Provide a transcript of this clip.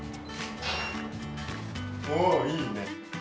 おー、いいね。